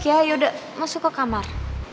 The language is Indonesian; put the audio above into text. ayo masuk ya yaudah masuk ke kamar